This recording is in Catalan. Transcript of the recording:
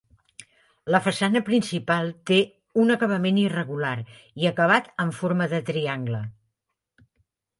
La façana principal té un acabament irregular i acabat amb forma de triangle.